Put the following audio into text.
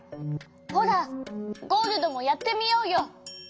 ほらゴールドもやってみようよ！